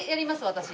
私。